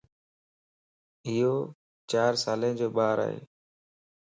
ايو چار سالين جو ٻار ائي